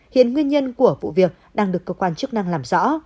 hiện nguyên nhân của vụ việc đang được cơ quan chức năng làm rõ